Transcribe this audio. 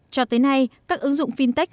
cho tới nay các ứng dụng fintech